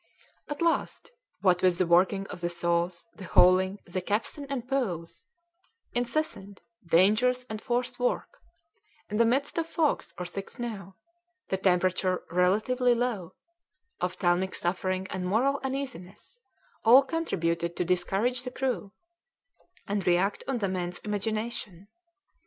At last, what with the working of the saws, the hauling, the capstan and poles, incessant, dangerous, and forced work, in the midst of fogs or thick snow, the temperature relatively low, ophthalmic suffering and moral uneasiness, all contributed to discourage the crew, and react on the men's imagination.